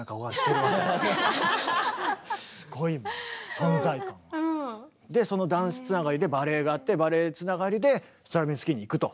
そこでああそれでそのダンスつながりでバレエがあってバレエつながりでストラヴィンスキーにいくと。